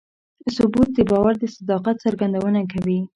ثبوت د باور د صداقت څرګندونه کوي.